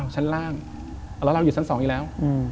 ชั้นล่างแล้วเราอยู่ชั้น๒อีกแล้ว